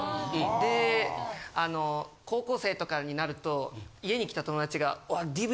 であの高校生とかになると家に来た友達が。